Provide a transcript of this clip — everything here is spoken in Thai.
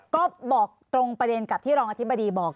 ก็บอกตรงประเด็นกับที่รองอธิบดีบอก